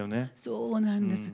そうなんです。